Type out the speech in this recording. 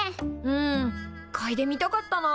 うんかいでみたかったな。